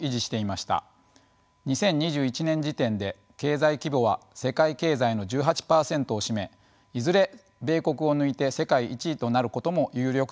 ２０２１年時点で経済規模は世界経済の１８％を占めいずれ米国を抜いて世界１位となることも有力視されてきました。